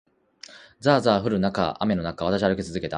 ざあざあ降る雨の中を、私は歩き続けた。